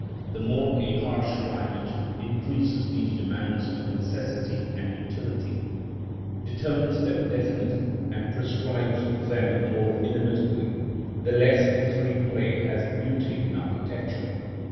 The more a harsh climate increases these demands of necessity and utility, determines them definitely, and prescribes them more inevitably, the less free play has beauty in architecture.